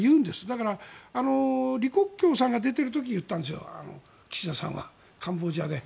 だから、李克強さんが出ている時に言ったんですよ岸田さんは、カンボジアで。